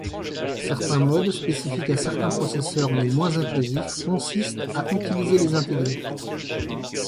Certains modes, spécifiques à certains processeurs mais moins intrusifs, consistent à utiliser les intégrés.